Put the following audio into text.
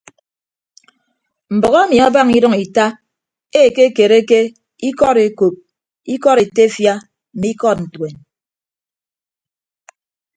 Mbʌk emi abaña idʌñ ita ekekereke ikọd ekop ikọd etefia mme ikọd ntuen.